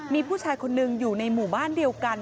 มีผู้ชายคนหนึ่งอยู่ในหมู่บ้านเดียวกัน